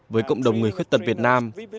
với cộng đồng người khuyết tật việt nam